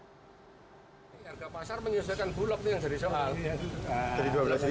harga pasar menyusahkan bulog ini yang jadi soal